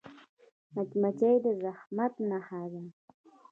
مچمچۍ د زحمت نښه ده